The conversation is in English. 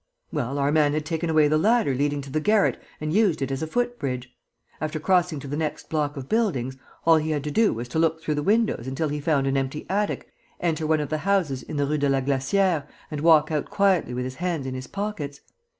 "Well, our man had taken away the ladder leading to the garret and used it as a foot bridge. After crossing to the next block of buildings, all he had to do was to look through the windows until he found an empty attic, enter one of the houses in the Rue de la Glacière and walk out quietly with his hands in his pockets.